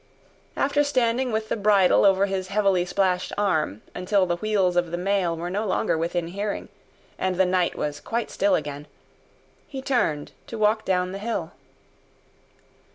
After standing with the bridle over his heavily splashed arm, until the wheels of the mail were no longer within hearing and the night was quite still again, he turned to walk down the hill.